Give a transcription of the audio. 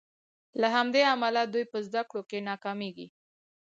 له همدې امله دوی په زدکړو کې ناکامیږي.